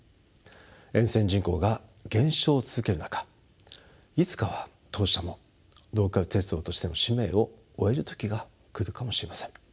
沿線人口が減少を続ける中いつかは当社もローカル鉄道としての使命を終える時が来るかもしれません。